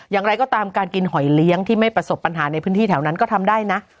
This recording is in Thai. อย่างไรก็ตามการกินหอยเลี้ยงที่ไม่ประสบปัญหาในพื้นที่แถวนั้นก็ทำได้นะ